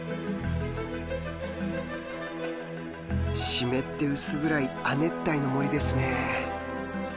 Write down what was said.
湿って薄暗い亜熱帯の森ですね。